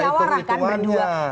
ini politik ada itu rituannya